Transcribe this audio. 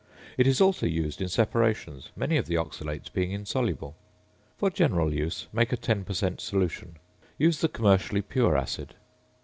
It is also used in separations, many of the oxalates being insoluble. For general use make a 10 per cent. solution. Use the commercially pure acid.